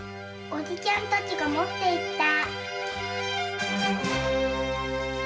おじちゃんたちが持って行った。